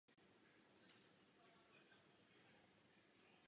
Používaly se při startech pilotovaných lodí Vostok a první generace sond programu Luna.